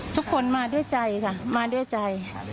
ทุกคนมาด้วยใจค่ะมาด้วยใจ